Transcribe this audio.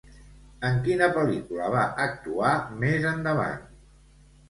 En quina pel·lícula va actuar més endavant?